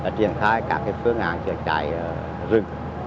đã triển khai các phương án chở cháy rừng